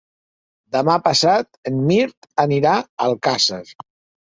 Demà passat en Mirt anirà a Alcàsser.